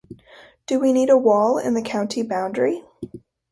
Do we need a wall at the county boundary?